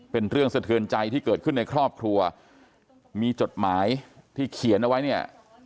เป็นเรื่องสะเทือนใจที่เกิดขึ้นในครอบครัวมีจดหมายที่เขียนเอาไว้เนี่ย